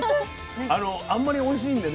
あんまりおいしいんでね